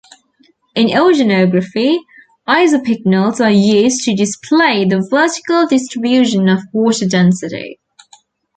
In oceanography, isopycnals are used to display the vertical distribution of water density.